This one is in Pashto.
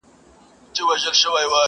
چي زه وگورمه مورته او دا ماته؛